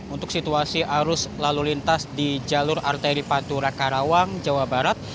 untuk situasi arus lalu lintas di jalur arteri pantura karawang jawa barat